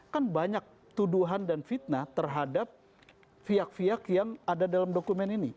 kan banyak tuduhan dan fitnah terhadap pihak pihak yang ada dalam dokumen ini